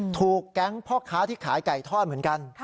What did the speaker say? ถูกแก๊งพ่อค้าที่ขายไก่ทอดเหมือนกัน